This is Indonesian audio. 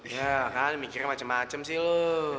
ya kan mikirnya macem macem sih lo